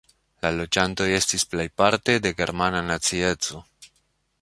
La loĝantoj estis plejparte de germana nacieco.